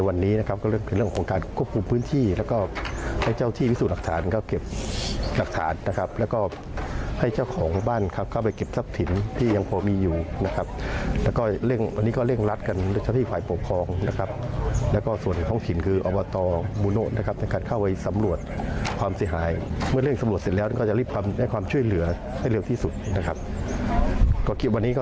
วันนี้ก็คิดว่าคงจะในการความเสียหายได้เท่าไหร่ต่าง